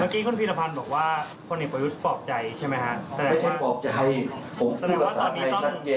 ท่านไม่ได้เป็นหัวหน้าภาษณ์นะครับ